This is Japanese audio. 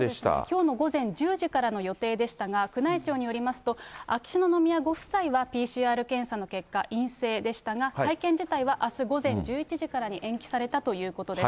きょうの午前１０時からの予定でしたが、宮内庁によりますと、秋篠宮ご夫妻はＰＣＲ検査の結果、陰性でしたが、会見自体はあす午前１１時からに延期されたということです。